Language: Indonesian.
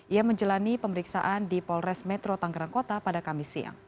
ia menjalani pemeriksaan di polres metro tanggerang kota pada kamis siang